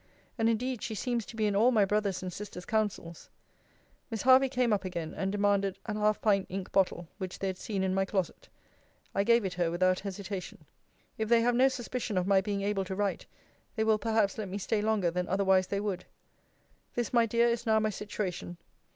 And indeed she seems to be in all my brother's and sister's counsels. Miss Hervey came up again, and demanded an half pint ink bottle which they had seen in my closet. I gave it her without hesitation. If they have no suspicion of my being able to write, they will perhaps let me stay longer than otherwise they would. This, my dear, is now my situation.